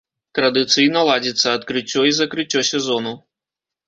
Традыцыйна ладзіцца адкрыццё і закрыццё сезону.